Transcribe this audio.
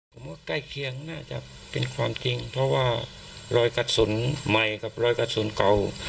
ผมว่าใกล้เคียงน่าจะเป็นความจริงเพราะว่ารอยกระสุนใหม่กับรอยกระสุนเก่า